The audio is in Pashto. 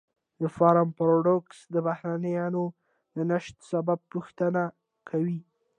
د فرمی پاراډوکس د بهرنیانو د نشت سبب پوښتنه کوي.